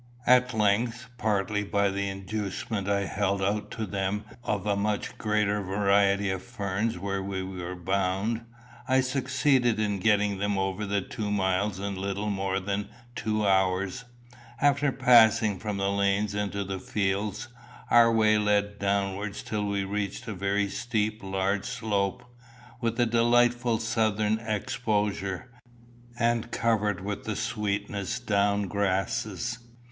At length, partly by the inducement I held out to them of a much greater variety of ferns where we were bound, I succeeded in getting them over the two miles in little more than two hours. After passing from the lanes into the fields, our way led downwards till we reached a very steep large slope, with a delightful southern exposure, and covered with the sweetest down grasses.